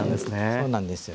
そうなんですよ。